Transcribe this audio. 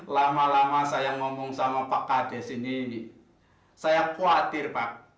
lama lama saya ngomong sama pak kades ini saya khawatir pak